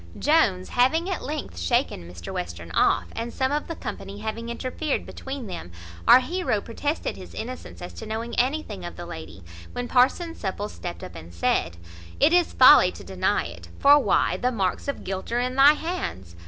Jones having, at length, shaken Mr Western off, and some of the company having interfered between them, our heroe protested his innocence as to knowing anything of the lady; when Parson Supple stepped up, and said, "It is folly to deny it; for why, the marks of guilt are in thy hands.